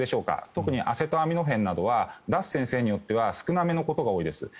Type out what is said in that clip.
特にアセトアミノフェンなどは出す先生によっては少なめなことが多いです。